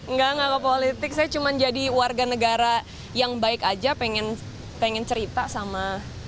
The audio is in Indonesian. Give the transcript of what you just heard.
enggak enggak ke politik saya cuma jadi warga negara yang baik aja pengen cerita sama